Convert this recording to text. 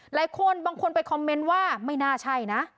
บางคนบางคนไปคอมเมนต์ว่าไม่น่าใช่นะ